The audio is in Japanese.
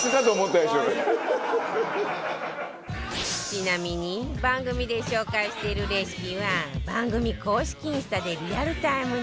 ちなみに番組で紹介しているレシピは番組公式インスタでリアルタイムに更新中